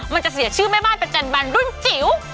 มันจะเสียชื่อแม่บ้านประจันบันรุ่นจิ๋ว